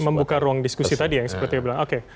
membuka ruang diskusi tadi yang sepertinya bilang oke